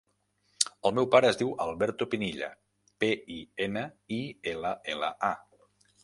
El meu pare es diu Alberto Pinilla: pe, i, ena, i, ela, ela, a.